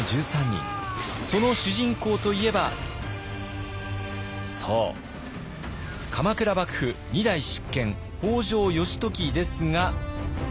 その主人公といえばそう鎌倉幕府２代執権北条義時ですが。